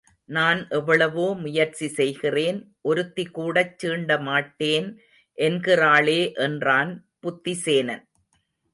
நான் எவ்வளவோ முயற்சி செய்கிறேன் ஒருத்தி கூடச் சீண்டமாட்டேன் என்கிறாளே என்றான் புத்தி சேனன்.